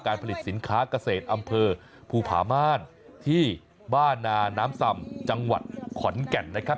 ผลิตสินค้าเกษตรอำเภอภูผาม่านที่บ้านนาน้ำสำจังหวัดขอนแก่นนะครับ